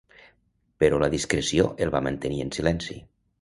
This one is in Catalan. Però la discreció el va mantenir en silenci.